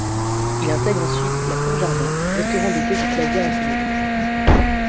Il intègre ensuite La Cour Jardin, restaurant d'été du Plaza Athénée.